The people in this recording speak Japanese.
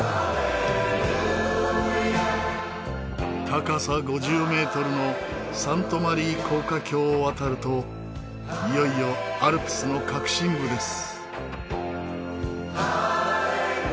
高さ５０メートルのサント・マリー高架橋を渡るといよいよアルプスの核心部です。